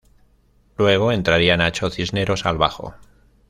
Luego entraría "Nacho" Cisneros al bajo.